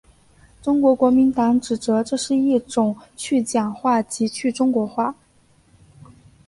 中国国民党指责这是一种去蒋化及去中国化。